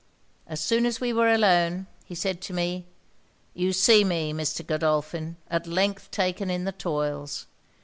'As soon as we were alone, he said to me "You see me, Mr. Godolphin, at length taken in the toils.